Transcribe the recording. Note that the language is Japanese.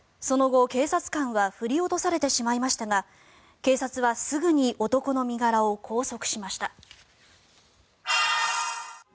その後、警察官は振り落とされてしまいましたが警察はすぐに男の身柄を拘束しました。